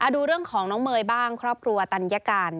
ดูเรื่องของน้องเมย์บ้างครอบครัวตัญการ